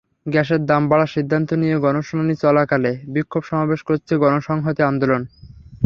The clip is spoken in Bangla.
গ্যাসের দাম বাড়ার সিদ্ধান্ত নিয়ে গণশুনানি চলাকালে বিক্ষোভ সমাবেশ করেছে গণসংহতি আন্দোলন।